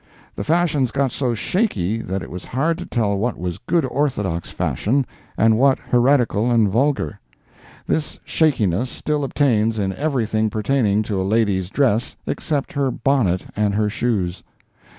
The fashions got so shaky that it was hard to tell what was good orthodox fashion, and what heretical and vulgar. This shakiness still obtains in everything pertaining to a lady's dress except her bonnet and her shoes.